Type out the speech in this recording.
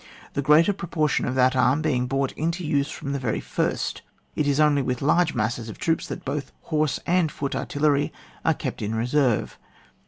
The greater proportion of that arm being brought into use from the very first, it is only with large masses of troops that both horse and foot artillery are kept in reserve.